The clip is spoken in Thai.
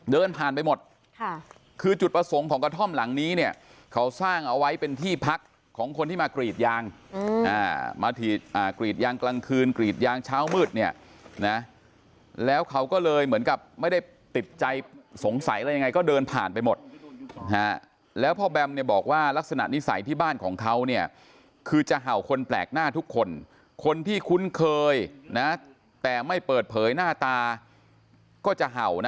เดินผ่านไปหมดคือจุดประสงค์ของกระท่อมหลังนี้เนี่ยเขาสร้างเอาไว้เป็นที่พักของคนที่มากรีดยางมากีดยางกลางคืนกรีดยางเช้ามืดเนี่ยนะแล้วเขาก็เลยเหมือนกับไม่ได้ติดใจสงสัยอะไรยังไงก็เดินผ่านไปหมดนะฮะแล้วพ่อแบมเนี่ยบอกว่าลักษณะนิสัยที่บ้านของเขาเนี่ยคือจะเห่าคนแปลกหน้าทุกคนคนที่คุ้นเคยนะแต่ไม่เปิดเผยหน้าตาก็จะเห่านะ